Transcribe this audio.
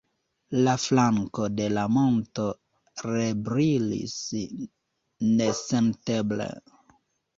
La flanko de la monto rebrilis nesenteble.